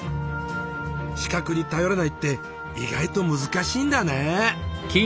視覚に頼らないって意外と難しいんだね。